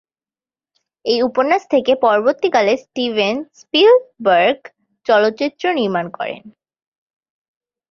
এই উপন্যাস থেকে পরবর্তীকালে স্টিভেন স্পিলবার্গ চলচ্চিত্র নির্মাণ করেন।